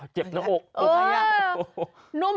เจ็บเนอะออกออกอ้อ